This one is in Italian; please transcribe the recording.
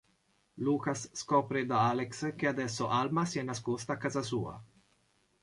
Lucas scopre da Alex che adesso Alma si è nascosta a casa sua.